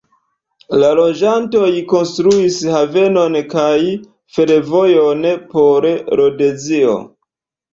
La loĝantoj konstruis havenon kaj fervojon por Rodezio.